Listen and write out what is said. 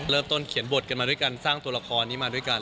เขียนบทกันมาด้วยกันสร้างตัวละครนี้มาด้วยกัน